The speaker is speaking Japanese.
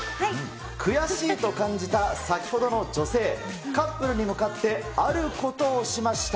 悔しいと感じた先ほどの女性、カップルに向かってあることをしました。